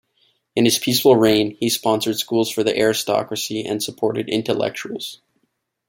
In his peaceful reign, he sponsored schools for the aristocracy and supported intellectuals.